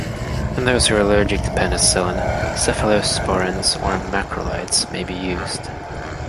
In those who are allergic to penicillin, cephalosporins or macrolides may be used.